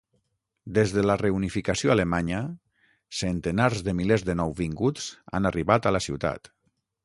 Des de la reunificació alemanya, centenars de milers de nouvinguts han arribat a la ciutat.